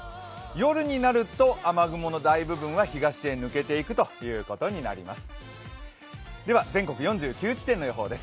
夜になると雨雲の大部分は東へ抜けていくということになります。